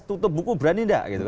tutup buku berani tidak